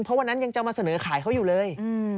เพราะวันนั้นยังจะมาเสนอขายเขาอยู่เลย